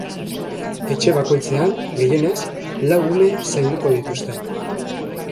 Etxe bakoitzean, gehienez, lau ume zainduko dituzte.